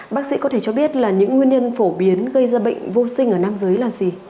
bác sĩ có thể cho biết là những nguyên nhân phổ biến gây ra bệnh vô sinh ở nam giới là gì